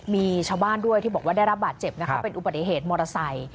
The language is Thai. มีชาวบ้านด้วยที่บอกว่าได้รับบาดเจ็บเป็นอุปกรณ์เหตุมอตราไซล์